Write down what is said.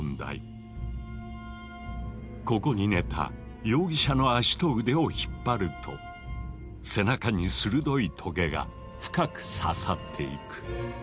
ここに寝た容疑者の足と腕を引っ張ると背中に鋭いとげが深く刺さっていく。